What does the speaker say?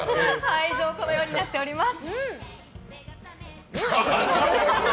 以上このようになっております。